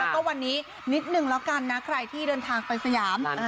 ก็วันนี้นิดนึงแล้วกันนะใครที่เดินทางไปสยาม